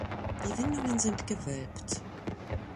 Die Windungen sind gewölbt.